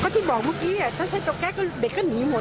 ที่บอกเมื่อกี้ถ้าใช้เตาแก๊สก็เด็กก็หนีหมด